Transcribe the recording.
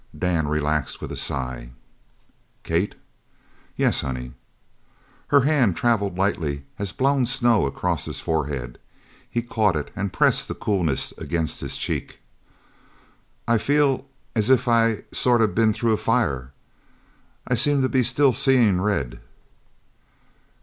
Dan relaxed with a sigh. "Kate." "Yes, honey." Her hand travelled lightly as blown snow across his forehead. He caught it and pressed the coolness against his cheek. "I feel as if I'd sort of been through a fire. I seem to be still seein' red."